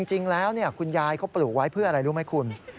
จริงแล้วคุณยายเขาปลูกไว้เพื่ออะไรรู้ไหมคุณ